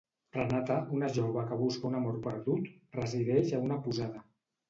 Renata, una jove que busca un amor perdut, resideix a una posada.